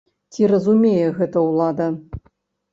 Ці разумее гэта ўлада?